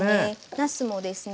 なすもですね